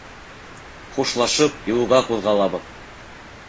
Хушлашып, юлға ҡуҙғалабыҙ.